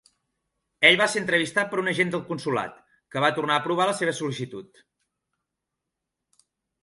Ell va ser entrevistat per un agent del consolat, que va tornar a aprovar la seva sol·licitud.